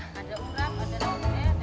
ada urap ada lauknya ada lauk